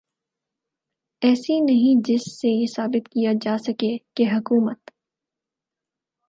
ایسی نہیں جس سے یہ ثابت کیا جا سکے کہ حکومت